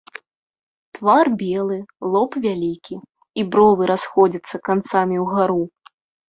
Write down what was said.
Твар белы, лоб вялікі, і бровы расходзяцца канцамі ўгару.